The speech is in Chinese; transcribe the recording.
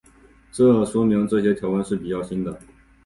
这说明这些条纹是比较新的。